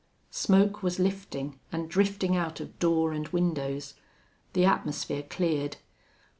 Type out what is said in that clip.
Smoke was lifting, and drifting out of door and windows. The atmosphere cleared.